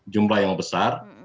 jumlah yang besar